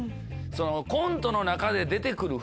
コントの中で出て来る